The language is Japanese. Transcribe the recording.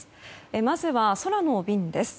まずは空の便です。